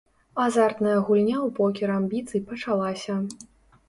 Азартная гульня ў покер амбіцый пачалася.